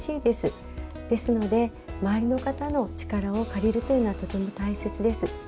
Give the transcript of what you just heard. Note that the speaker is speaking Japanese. ですので周りの方の力を借りるというのはとても大切です。